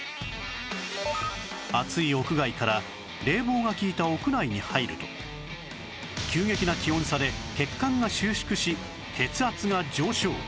暑い屋外から冷房が効いた屋内に入ると急激な気温差で血管が収縮し血圧が上昇